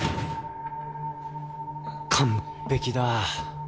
完璧だ！